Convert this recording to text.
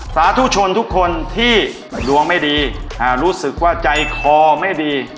สาธุชนทุกคนที่ดวงไม่ดีรู้สึกว่าใจคอไม่ดี